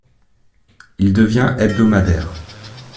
Il devient hebdomadaire.